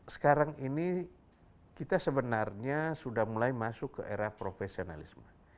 sekarang ini kita sebenarnya sudah mulai masuk ke era profesionalisme